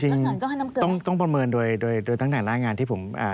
สารต้องต้องประเมินโดยตั้งแต่หน้างานที่ผมอ่า